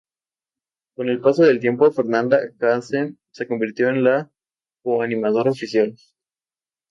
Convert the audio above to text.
Con el paso del tiempo, Fernanda Hansen se convirtió en la co-animadora oficial.